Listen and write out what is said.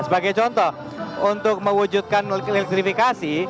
sebagai contoh untuk mewujudkan elektrifikasi